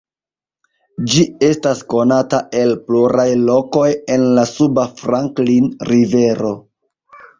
Ĝi estas konata el pluraj lokoj en la suba Franklin Rivero.